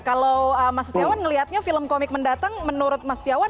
kalau mas setiawan melihatnya film komik mendatang menurut mas setiawan